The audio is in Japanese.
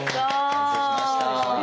完成しました。